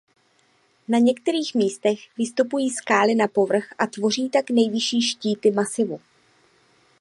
Na některých místech vystupují skály na povrch a tvoří tak nejvyšší štíty masivu.